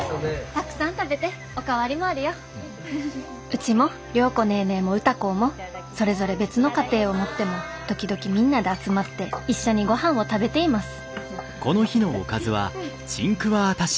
「うちも良子ネーネーも歌子もそれぞれ別の家庭を持っても時々みんなで集まって一緒にごはんを食べています」。